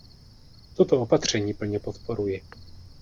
Toto opatření plně podporuji.